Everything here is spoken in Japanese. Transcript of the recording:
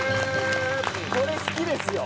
これ好きですよ。